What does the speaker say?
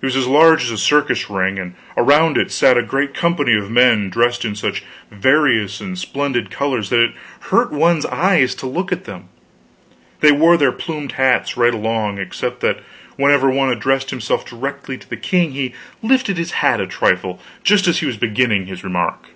It was as large as a circus ring; and around it sat a great company of men dressed in such various and splendid colors that it hurt one's eyes to look at them. They wore their plumed hats, right along, except that whenever one addressed himself directly to the king, he lifted his hat a trifle just as he was beginning his remark.